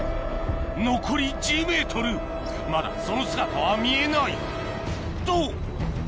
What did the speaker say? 残り１０ｍまだその姿は見えないと！